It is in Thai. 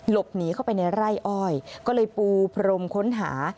หลบหนีเข้าไปในไร่อ้อยก็เลยปูพรมค้นหา